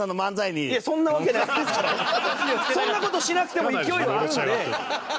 そんな事しなくても勢いはあるんで。